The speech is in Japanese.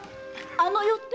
「あの夜」って？